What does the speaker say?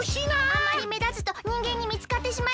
あまりめだつとにんげんにみつかってしまいます。